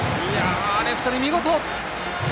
レフトに見事！